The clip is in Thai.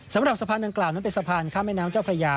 สำหรับสะพานดังกล่าวนั้นเป็นสะพานข้ามแม่น้ำเจ้าพระยา